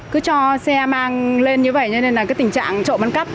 cứ cho xe mang lên như vậy cho nên là cái tình trạng trộm bắn cắp